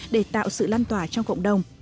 để tạo sự lan tỏa trong cộng đồng